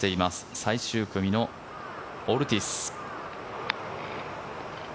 最終組のオルティーズ。